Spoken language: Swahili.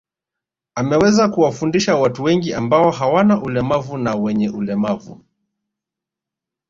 Ameweza kuwafundisha watu wengi ambao hawana ulemavu na wenye ulemavu